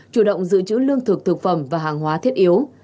chủ động giữ chữ lương thực thực phẩm và hàng hóa thiết yếu